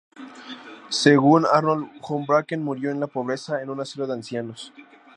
Según Arnold Houbraken, murió en la pobreza, en un asilo de ancianos.